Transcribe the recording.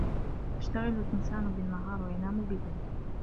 يَشْتَغِلُ الْإِنْسانُ بِالنَّهَارِ وَيَنَامُ بِاللَّيْلِ.